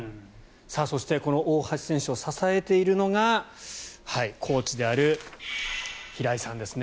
そして大橋選手を支えているのがコーチである平井さんですね。